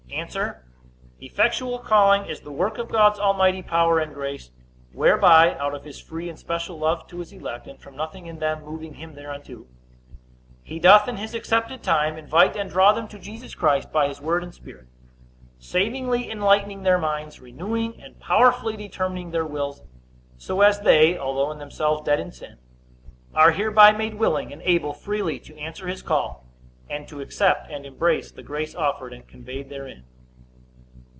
A. Effectual calling is the work of God's almighty power and grace, whereby (out of his free and special love to his elect, and from nothing in them moving him thereunto) he doth, in his accepted time, invite and draw them to Jesus Christ, by his word and Spirit; savingly enlightening their minds, renewing and powerfully determining their wills, so as they (although in themselves dead in sin) are hereby made willing and able freely to answer his call, and to accept and embrace the grace offered and conveyed therein.